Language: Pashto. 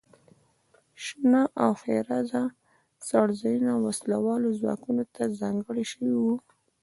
شنه او ښېرازه څړځایونه وسله والو ځواکونو ته ځانګړي شوي وو.